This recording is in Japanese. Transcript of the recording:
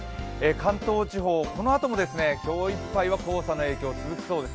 関東地方、このあとも今日いっぱいは黄砂の影響、続きそうです。